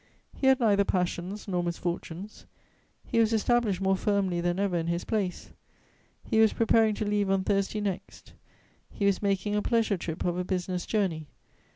He had neither passions nor misfortunes; he was established more firmly than ever in his place. He was preparing to leave on Thursday next. He was making a pleasure trip of a business journey.